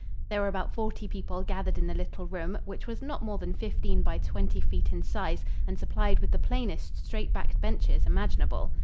There were about forty people gathered in the little room, which was not more than fifteen by twenty feet in size and supplied with the plainest straight backed benches imaginable.